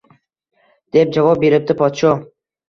Deb javob beribdi podsho